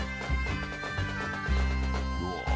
うわ！